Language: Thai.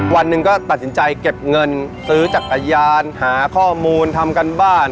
วันหนึ่งก็ตัดสินใจเก็บเงินซื้อจักรยานหาข้อมูลทำการบ้าน